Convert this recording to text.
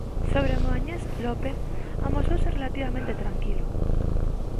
Sobre o moañés, López amosouse relativamente tranquilo.